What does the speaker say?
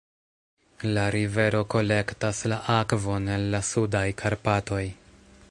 La rivero kolektas la akvon el la Sudaj Karpatoj.